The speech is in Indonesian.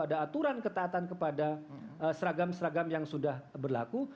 ada aturan ketaatan kepada seragam seragam yang sudah berlaku